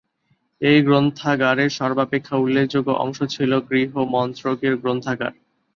এই গ্রন্থাগারের সর্বাপেক্ষা উল্লেখযোগ্য অংশ ছিল গৃহ মন্ত্রকের গ্রন্থাগার।